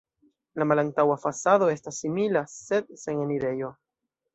La malantaŭa fasado estas simila, sed sen enirejo.